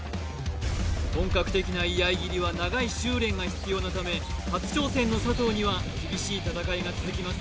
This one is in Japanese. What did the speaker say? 本格的な居合斬りは長い修練が必要なため初挑戦の佐藤には厳しい戦いが続きます